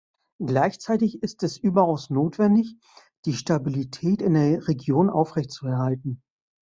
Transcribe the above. Gleichzeitig ist es überaus notwendig, die Stabilität in der Region aufrechtzuerhalten.